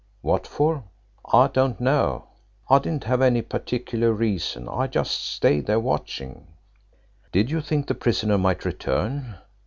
"What for?" "I don't know. I didn't have any particular reason. I just stayed there watching." "Did you think the prisoner might return?"